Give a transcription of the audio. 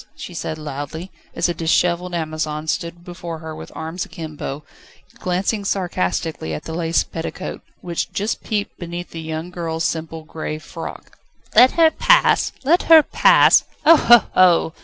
she said loudly, as a dishevelled Amazon stood before her with arms akimbo, glancing sarcastically at the lace petticoat, which just peeped beneath the young girl's simple grey frock. "Let her pass? Let her pass? Ho! ho! ho!"